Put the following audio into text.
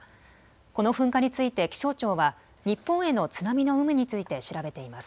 この噴火について気象庁は日本への津波の有無について調べています。